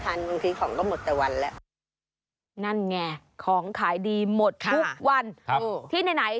อะไรอย่างนี้ออกไม่ทัน